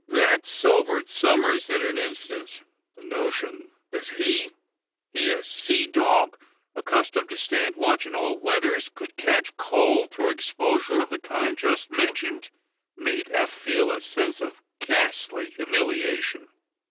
That sobered Somers in an instant. The notion that he he a sea dog accustomed to stand watch in all weathers, could catch cold through exposure of the kind just mentioned made Eph feel a sense of ghastly humiliation.